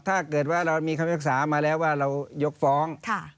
ถ้าเกิดว่าเรามีคำพิพากษามาแล้วว่าเรายกฟ้อง